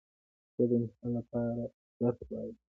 زه د امتحان له پاره درس وایم.